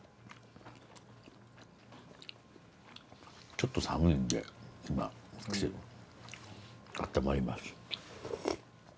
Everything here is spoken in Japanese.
ちょっと寒いんで今私あったまります。